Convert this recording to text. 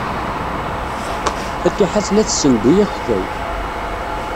Fatiḥa tella tessenduy akeffay.